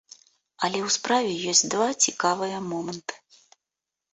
Але ў справе ёсць два цікавыя моманты.